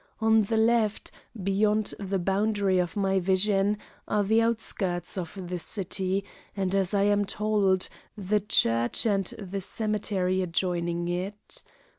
On the left, beyond the boundary of my vision, are the outskirts of the city, and, as I am told, the church and the cemetery adjoining it.